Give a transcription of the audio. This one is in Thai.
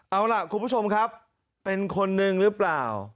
เอาล่ะคุณผู้ชมครับเป็นคนหนึ่งหรือเปล่า